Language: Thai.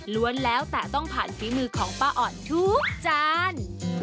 แล้วแต่ต้องผ่านฝีมือของป้าอ่อนทุกจาน